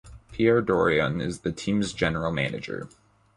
Pierre Dorion is the team's general manager.